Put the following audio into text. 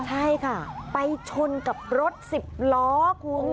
ใช่ค่ะไปชนกับรถ๑๐ล้อคุณ